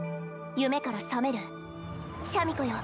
夢から覚めるシャミ子よ